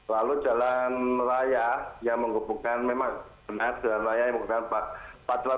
lalu jalan raya yang menghubungkan memang benar jalan raya yang menghubungkan pak padra